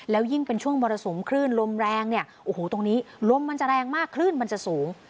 แล้วยิ่งเป็นช่วงมรสุมคลื่นลมแรงเนี่ยโอ้โหตรงนี้ลมมันจะแรงมากคลื่นมันจะสูง